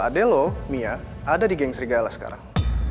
ade lu mia ada di geng serigala sekarang